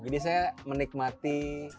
jadi saya menikmati